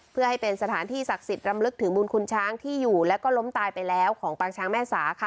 เพื่อให้เป็นสถานที่ศักดิ์สิทธิ์รำลึกถึงบุญคุณช้างที่อยู่แล้วก็ล้มตายไปแล้วของปางช้างแม่สาค่ะ